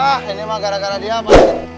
bah ini mah gara gara dia mah